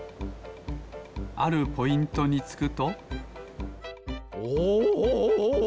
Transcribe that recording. あるポイントにつくとお！